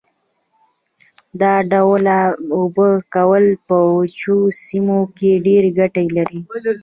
دا ډول اوبه کول په وچو سیمو کې ډېره ګټه لري.